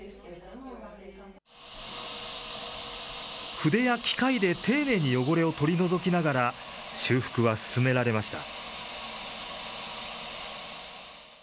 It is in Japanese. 筆や機械で丁寧に汚れを取り除きながら、修復は進められました。